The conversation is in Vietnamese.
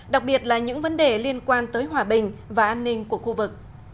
đặc biệt là những vấn đề liên quan tới hòa bình và an ninh của khu vực